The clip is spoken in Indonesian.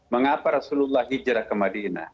mengapa rasulullah hijrah ke madinah